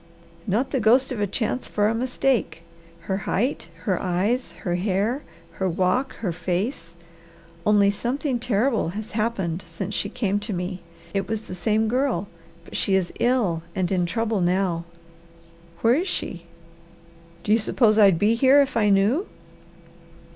"Not the ghost of a chance for a mistake. Her height, her eyes, her hair, her walk, her face; only something terrible has happened since she came to me. It was the same girl, but she is ill and in trouble now." "Where is she?" "Do you suppose I'd be here if I knew?"